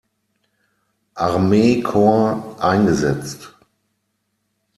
Armeekorps eingesetzt.